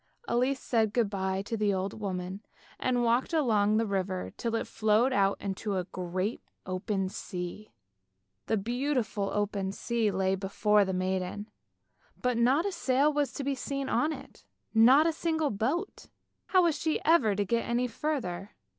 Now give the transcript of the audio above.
Elise said good bye to the old woman, and walked along by the river till it flowed out into the great open sea. The beautiful open sea lay before the maiden, but not a sail was to be seen on it, not a single boat. How was she ever to get any further